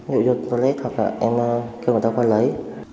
ví dụ cho toilet hoặc là em kêu người ta qua lấy